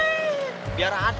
eh biar hati